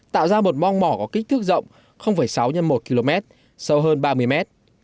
tạo ra một mong mỏ có kích thước rộng sáu x một km sâu hơn ba mươi mét